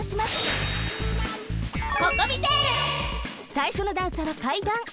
さいしょの段差はかいだん。